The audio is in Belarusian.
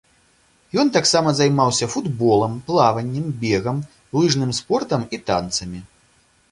Ён таксама займаўся футболам, плаваннем, бегам, лыжным спортам і танцамі.